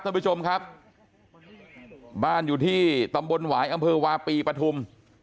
ท่านผู้ชมครับบ้านอยู่ที่ตำบลหวายอำเภอวาปีปฐุม